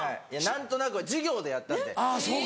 何となくは授業でやったんで。